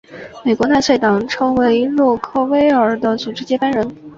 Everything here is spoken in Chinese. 美国纳粹党成为洛克威尔的组织接班人。